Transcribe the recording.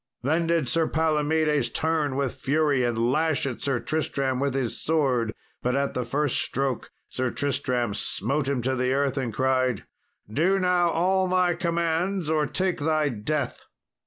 Then did Sir Palomedes turn with fury, and lash at Sir Tristram with his sword; but at the first stroke Sir Tristram smote him to the earth, and cried, "Do now all my commands, or take thy death."